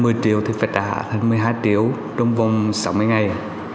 và vay một mươi triệu thì phải trả hơn một mươi hai triệu trong vòng sáu mươi ngày